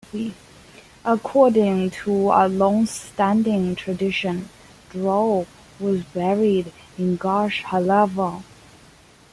According to a long-standing tradition, Joel was buried in Gush Halav.